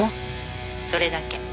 それだけ。